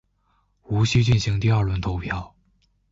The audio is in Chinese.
无须进行第二轮投票。